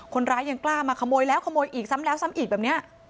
คนร้ายยังกล้ามาขโมยแล้วขโมยอีกซ้ำแล้วซ้ำอีกแบบนี้